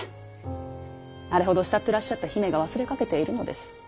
あれほど慕ってらっしゃった姫が忘れかけているのです。